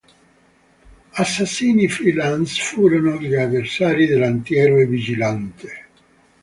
Assassini freelance, furono gli avversari dell'anti-eroe Vigilante.